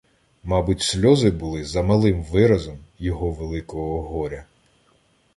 Мабуть, сльози були замалим виразом його великого горя.